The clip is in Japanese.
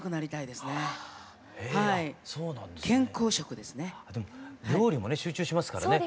でも料理もね集中しますからね。